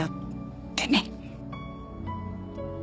ってね。